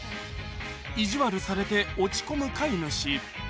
いじわるされて落ち込む飼い主